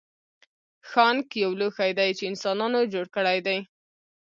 ښانک یو لوښی دی چې انسانانو جوړ کړی دی